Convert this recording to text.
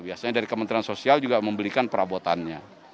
biasanya dari kementerian sosial juga membelikan perabotannya